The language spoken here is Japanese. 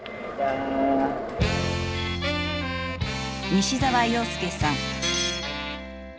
西澤陽介さん。